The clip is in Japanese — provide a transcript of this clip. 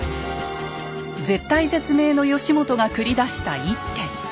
絶体絶命の義元が繰り出した一手。